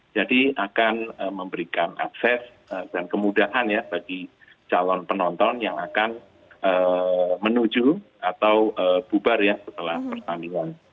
jadi akan memberikan akses dan kemudahan ya bagi calon penonton yang akan menuju atau bubar ya setelah pertandingan